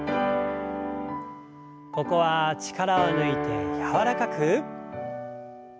ここは力を抜いて柔らかく。